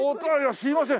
すいません。